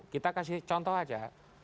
kita kasih contoh aja